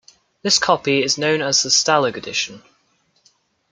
This copy is known as the "Stalag" edition.